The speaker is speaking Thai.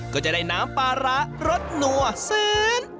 ก็จะได้น้ำปลาร้ารสนัวซื้น